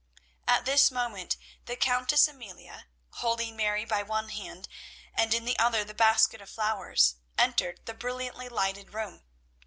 At this moment the Countess Amelia, holding Mary by one hand and in the other the basket of flowers, entered the brilliantly lighted room.